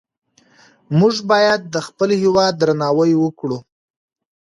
مونږ باید د خپل هیواد درناوی وکړو.